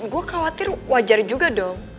gue khawatir wajar juga dong